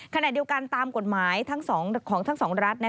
ขณะเดียวกันตามกฎหมายของทั้งสองรัฐ